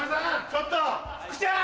ちょっと福ちゃん！